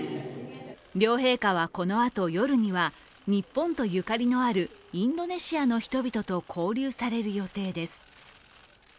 両陛下はこのあと夜には日本とゆかりのあるインドネシアの人々と交流される予定です。